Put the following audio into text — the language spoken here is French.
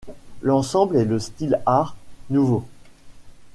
L'ensemble est de style Art nouveau.